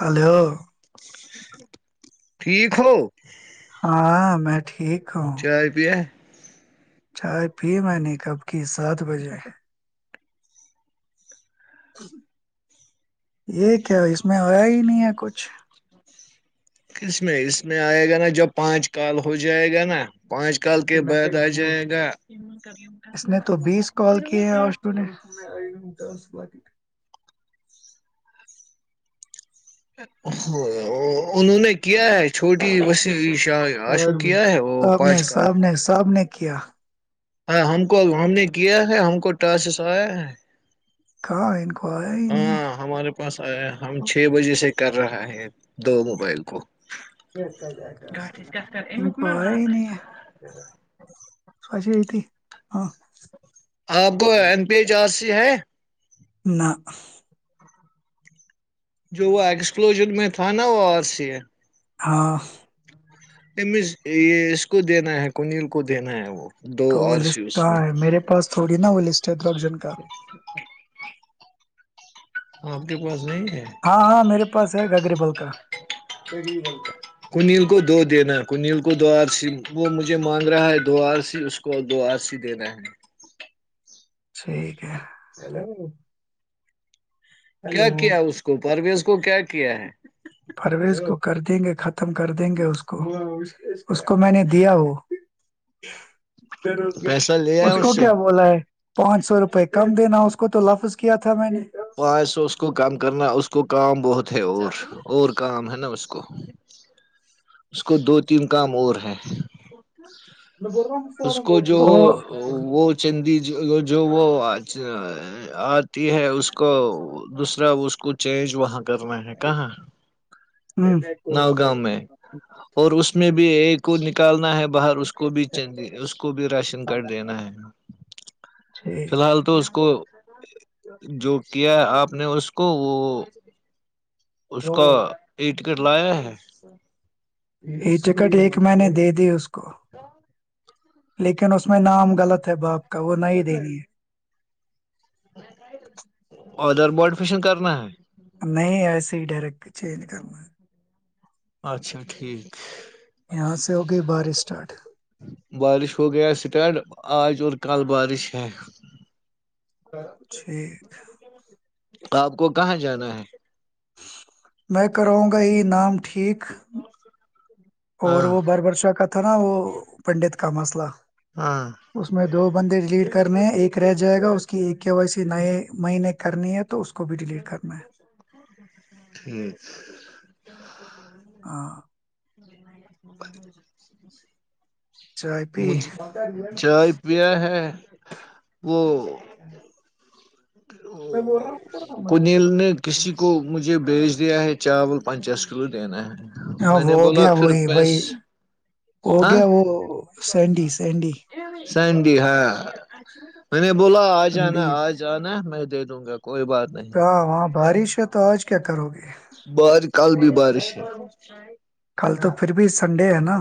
Hello [unintelligible] ٹھیک ہو [unintelligible] ہاں میں ٹھیک [unintelligible] چائے پیا [unintelligible] چائے پی میں نے کب کی سات بجے ہیں [unintelligible] [inaudible] [unintelligible] یہ کیا اس میں ہویا ہی نہیں ہے کچھ [unintelligible] اس میں اس میں آئے گا نا جب پانچ کال ہو جائے گا نا [unintelligible] پانچ کال کے بعد آ جائے گا اس نے تو بیس کال کیے ہیں اور [unintelligible] انہوں نے کیا ہے چھوٹی وسی [unintelligible] اور بھی سب نے سب نے سب نے [unintelligible] اکیہ [unintelligible] ہاں ہم کو ا ہم نے کیا ہے ہم کو ٹاسسیا ہے [unintelligible] کہاں ان کو آیا ہی نہیں ہے س ہم چھ بجے سے کر رہا ہے دو موبائل کو پ ہی نہیں ہے سچ ت آپ کو این پی چا سے ج ہے نہ جو وہ ایکسکلوزن میں تھا نا وہ آر سی ہاں ا یہ اس کو دینا ہے کنیل کو دینا ہے وہ دو تو وہ آر لسٹ سی اس میں کہاں ہے میرے پاس تھوڑی نا وہ لسٹ ہے درگ جن کا ہاں آپ کے پاس نہیں ہے ہاں ہاں میرے پاس ہے گگریبل کا ڈگری بول کیا کنیل کو دو دینا کنل کو دو آرسی وہ مجھے مانگ رہا ہے دو آرسی اس کو دو آرسی دینا ہے ٹھیک ہے چلو کیا کیا اس کو پرویز کو کیا کیا ہے پرویز کو کر دیں گے ختم ختم کر دیں گے اس کو اس کو میں نے دیا وہ ض پیسہ لیا ہے اس کو سے کیا بولا ہے پانچ سو روپئے کم دینا اس کو تو لفظ کیا تھا میں نے خواہشوں اس کو کام کرنا اس کو کام بہت اور اور کام ہے نا اس کو اس کو دو تین کام اور ہے میں بول رہا ہوں اس فارم کو جو وہ او ہوں وہ چندی جو وہ آتی ہے اس دوسرا اس کو چینج وہاں کر رہے ہیں کہاں نؤ اوتھ گاؤں میں اور اس اس میں بھی ایک کو نکالنا ہے باہر اس کو اس کو بھی چ اس کو بھی راشن کارڈ دینا ہے فی ٹھیک الحال تو اس کو جو کیا آپ نے اس کو وہ اس کا ایک ٹکٹ لایا ہے یہ چکٹ ایک مہ نے دے دی اس کو وہ لیکن اس میں نام غلط ہے باپ کا وہ نہیں دینی ہے ادر بڈ فیشن کرنا ہے نہیں ایسا سیح ڈائریکٹ چینج کرنا ہے اچھا ٹھیک یہاں سے ہوگئی بارش اسٹارٹ بارش ہو گیا اسٹارٹ آج اور کل بارش ہے تو [unintelligible] آپ کو کہاں جانا ہے میں کراوںں گا یہ نام ٹھیک اور ہاں وہ بھر برشا کا تھا نا وہ پنڈت کاماسلہ ہاں دو بندے ڈیلیڈ کرنے ہیں ایک رہ جائے گا اس کی ایک کیا وجسی نئے مہینے کرنی ہے تو اس کو بھی ڈیلیٹ کرنا ہے ٹھیک ہاں ہ چائے پی مج چاوپیہ ہے وہ میں بول رہا ہوں کنل نے کسی کو مجھے بیچ دیا ہے چاول پنچاس کلو دینا ہے ہاں میں وہ نے ہو بولا گیا پھر وہی پیس بائی ہو ہاں گیا وہ سینڈس ینڈی سینڈ ہا میں بولا آ جانا آ سندیپ جانا میں دے دوں گا کوئی بات نہیں ہاں وہاں بارش ہے تو آج کیا کیا کرو گے بار کل بھی بار سے کل تو پھر بھی سنڈے ہے نا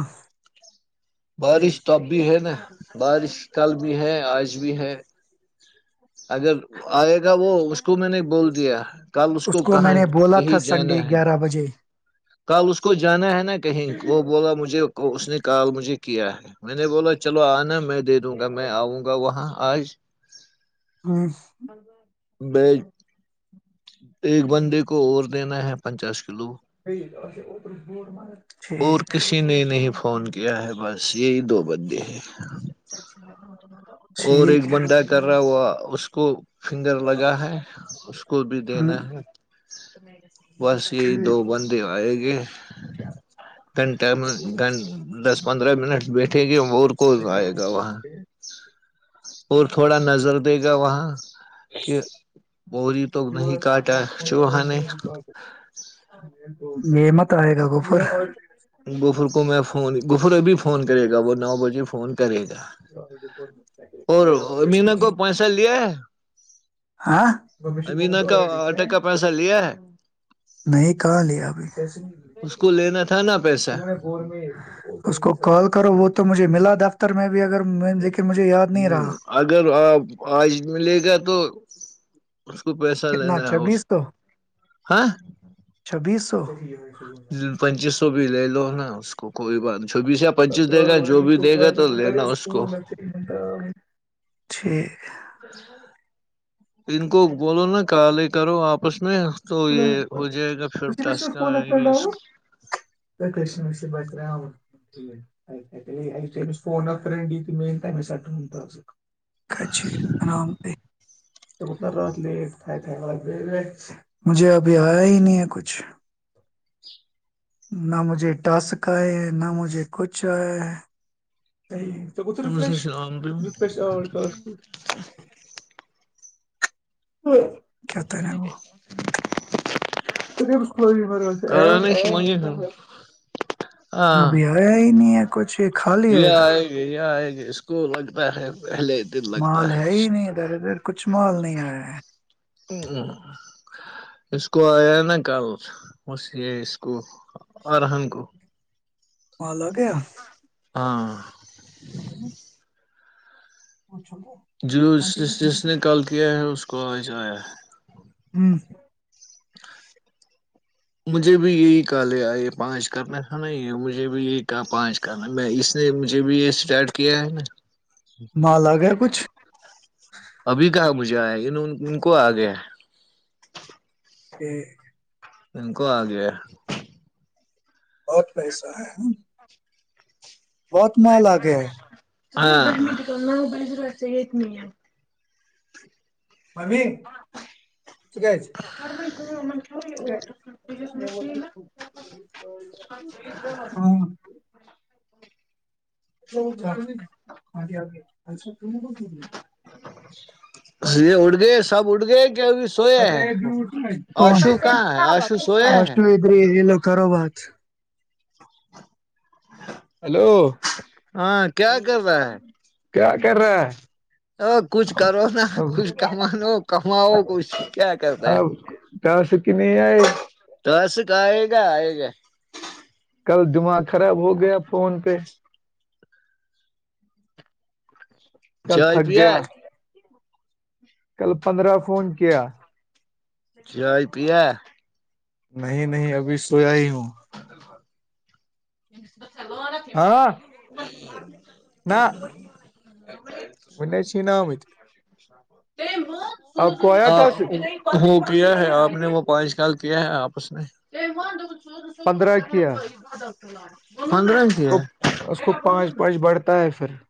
بارش تو اب بھی ہے نا بارش کل بھی ہے آج بھی ہے اگر آئے گا وہ اس کو میں نے بول دیا [unintelligible] اس کو میں کہاں نے بولا تھا کہیں سنڈے جانا ہے گیارہ بجے [unintelligible] کل اس کو جانا ہے نا کہیں وہ بولا مجھے [unintelligible] کو اس نے کال مجھے کیا ہے میں نے بولا چلو آنا میں دے دوں گا میں آؤں گا وہاں آج [unintelligible] اور [unintelligible] بی ایک بندے کو اور دینا ہے پچاس کلو [unintelligible] او اور ٹھیک [unintelligible] کسی نے نہیں فون کیا ہے بس یہی دو بندے ہیں [unintelligible] اور ایک ٹھیک ہے بندہ کر رہا ہوا [unintelligible] اس کو [unintelligible] فنگر لگا ہے اس کو بھی دینا ہوں ہے [unintelligible] میں [unintelligible] بس یہی ٹھیک۔ دو بند ہو [unintelligible] گ [unintelligible] [unintelligible] [unintelligible] [unintelligible] گھنٹہ میں گن [unintelligible] دس پندرہ منٹ بیٹھے گیور کو آئے گا وہاں [unintelligible] اور تھوڑا نظر دے گا وہاں [unintelligible] کہ بوری تو نہیں کاٹا چوہ نے [unintelligible] یہمت ہے گا گو [unintelligible] گفر کو میں فون گفر ابھی فون کرے گا وہ [unintelligible] نو بجے فون [unintelligible] اور امینا کو پیسہ لیا ہے امینا کا آٹے کا پیسہ لیا ہے نہیں کہاں لیا ابھی اس کو لینا تھا نا پیسہ [unintelligible] [unintelligible] کال کرو وہ تو مجھے ملا دفتر میں بھی اگر [unintelligible] ہ نہیں رہا اگر آپ آج ملے گا تو [unintelligible] اس کو پیسہ کتنا لینا ہے اس چھبیس سو ہ [unintelligible] جی [unintelligible] [unintelligible] پنچیس سو بھی لے لو نا [unintelligible] اس کوئی بات نہیں [unintelligible] چوبیس یا پچیس دے گا جو بھی دے گا تو ٹھیک لینا اس کو [unintelligible] ٹھیک ہے [unintelligible] ان کو بولو ن کہالے کرو آپس میں [unintelligible] نہیں تو یہ ہو جائے گا پھرٹس آرام گی اس [unintelligible] [unintelligible] ھے نام د [unintelligible] تو تھائے تھ ب ب [unintelligible] مجھے ابھی آیا ہی نہیں ہے کچھ نہ مجھے ٹاسک آئے ہیں نہ مجھے کچھ آیا ہے کوت ریفریش کرانے ریفریش آالس ہوں [unintelligible] ہو کے [unintelligible] تو کو مرے سے آیا کھلیں گے ابھی آیا ہی نہیں ہےچھ ہے گ ہے گ [unintelligible] اسکول لگتاہ ہے مال ہے ہی نہیں ادر ادھر کچھ مال نہیں آیا ہے اس کو آیا نا کل بس یہ اس کو آرحن کو وال لوگ ہاں ہ [inaudible] جر جس نے ک ہے اس کو ہوں مجھے بھی یہی کہ لیا یہ پانچ کرنا تھا نا یہ مجھے بھی یہی کہا پانچ کرنا میں اس نے مجھے بھی یہ اسٹارٹ کیا ہے نا مال آ گیا کچھ ابھی کہاں مجھے آئے ان ان کو آ گیا ٹھ [inaudible] پ کو آ گیا بہت پیسہ ہے ہ بہت ماںال آ گیا ہے ن بلیزر یہ نہیں ممی کہ [inaudible] ہ [inaudible] ہاں [inaudible] گے آگ ساح ک کر [inaudible] یہ اٹ گئے سب اٹھ گئے کہ ابھی سوئے ہیں کون آشو کہاں ہے آشو سویا ہاں ہے سوتری لو خو بات [unintelligible] [inaudible] [unintelligible] ہیلو ہاں کیا کر رہا ہے [unintelligible] کیا کر رہا ہے [unintelligible] ا کچھ کرو نا کچھ کمانو کماؤ کچھ کیا کرتا ہے اب کہاں سے کہ نہیں آئے تو ایس [unintelligible] ہے گا ہے گا [unintelligible] کل دماغ خراب ہو گیا فون پہ [unintelligible] کل چائے تھک پیا گیا [unintelligible] کل پندرہ فون کیا [unintelligible] جائے پیا [unintelligible] نہیں نہیں ابھی سویا ہی ہوں [unintelligible] ج [inaudible] [unintelligible] ھا لانت ت [inaudible] [unintelligible] ہ [inaudible] [unintelligible] ہاں نہ [unintelligible] ون چ ن آمت [unintelligible] تو آپ کو آیا ٹاسک [unintelligible] ہاں [unintelligible] کیا ہے آپ نے وہ پانچ کال کیا ہے آپس نے [unintelligible] کب پندرہ کرنا کیا چ [unintelligible] کڑا [unintelligible] اس کو اس کو پانچ پانچ بڑھتا ہے پھر [unintelligible]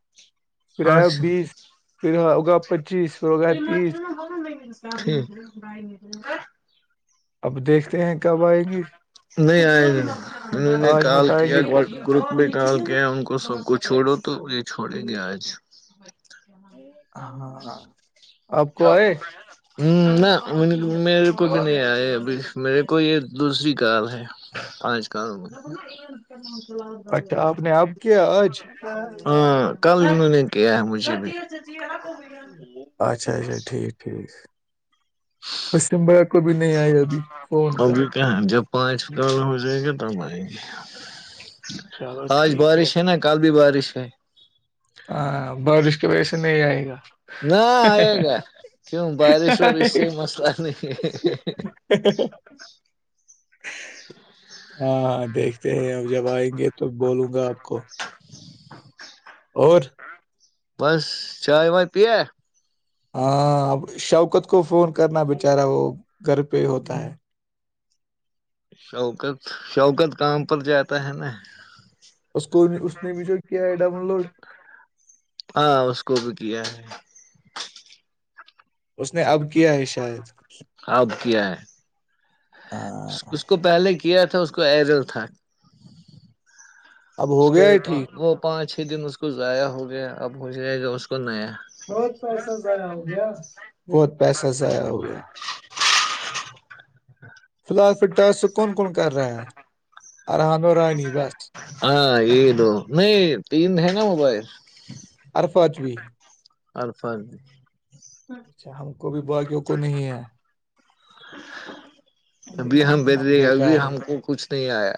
کرایہ اچھا بیس پھر ہوگا [unintelligible] پچیس روگا تیس [unintelligible] ب [unintelligible] اب دیکھتے ہیں کب آئیں گی نہیں آئے انہوں نے آج کال مت آئیں کیا گے گروپ بھی کال کیا ان کو [unintelligible] کو سب کو چھوڑو تو یہ چھوڑیں گے آج [unintelligible] ا [unintelligible] آنا [unintelligible] آپ کو آئے [unintelligible] ہ نہ میرے کو بھی نہیں آیا ابھی میرے کو یہ دوسری کار ہے پانچ کال میں اچھا آپ نے آپ کیا آج [unintelligible] ہاں کل د میں نے [unintelligible] کیا ہے مجب اچھا اچ اچھا ٹھیک ٹھیک پشچم بنگال کو بھی نہیں آئے ابھی فون کا ابھی کہاں جب پانچ کار ہو جائے گا تب آئیں گے چلو آج ٹھیک بارش ہے نا کل بھی بارش شے ہاں بارش کی وجہ سے نہیں آئے گا نہ آئے گا کیوں بارش اور اس سے مسئلہ نہیں ہے ہاں دیکھتے ہیں اب جب آئیں گے تو بولوں گا ا ہاں اور بس چائےائے وائے پیا ہاں اب شوکت کو فون کرنا بچارا وہ گھر پہ ہوتا ہے شوکت شوکت کام پر جاتا ہے نا اس کو اس نے بھی جو کیا ہے ڈاؤن لوڈ ہاں اس کو بھی کیا ہے اس نے اب کیا ہے شاید اب کیا ہے ہاں اس کو پہلے کیا کیا تھا اس کو ایرل تھا اب اس ہو کو گیا ہے وہ ٹھیک وہ پانچ ا دن اس کو ضائع ہو گیا اب ہو گیا گ اس کو نیا بہت پیسہ ضائع ہو گیا بہت پیسہ ضائع ہو گیا [inaudible] فی الحال پھر ٹاس کون کون کر رہا ہے ارحان رانی بس ہاں یہ دو نہیں تین ہے نا موبائل ارفاچ بھی الفاظ اچھا ہم کبھی باغیوں کو نہیں ہے [inaudible] ابھی ہم بیج دے گ ابھی بیکار ہم ہے کو کچھ پ آیا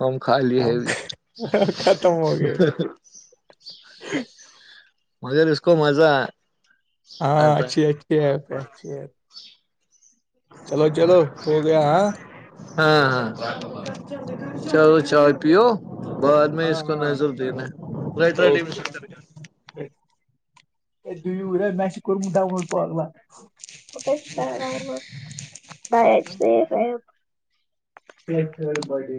ہم کھا لیے ہے ہم ابھی ختم ہو گئے مگر اس کو مزہ ہے ہاں آتا اچھی اچھی اچھھی چلو چلو ہو گیا ہاں ہاں ہاں چلو چائے پیو بعد میں اس ہاں کو ہاں نضور دنےا رٹ اوکے یہ د ا رہ میں [unintelligible] ما [unintelligible]